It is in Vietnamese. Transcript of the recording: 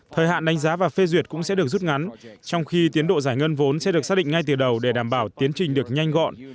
thời hạn đánh giá và phê duyệt cũng sẽ được rút ngắn trong khi tiến độ giải ngân vốn sẽ được xác định ngay từ đầu để đảm bảo tiến trình được nhanh gọn